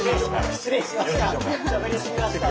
失礼しました。